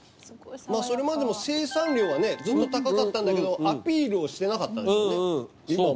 それまでも生産量はねずっと高かったんだけどアピールをしてなかったんですよね